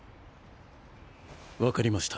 わかりました。